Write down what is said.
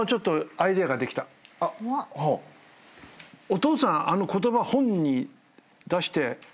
お父さんあの言葉本に出して。